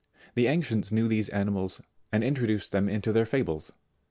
The ancients knew these animals and introduced them into their fables.